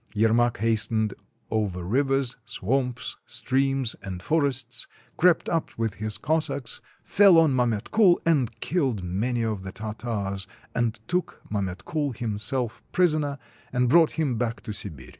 Yermak hastened over rivers, swamps, streams, and forests, crept up with his Cossacks, fell on Mametkul, and killed many of the Tartars, and took Mametkul him self prisoner and brought him back to Sibir.